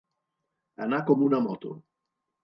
Anar com una moto.